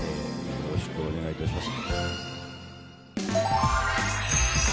よろしくお願いします！